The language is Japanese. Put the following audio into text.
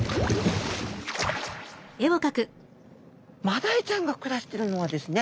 マダイちゃんが暮らしているのはですね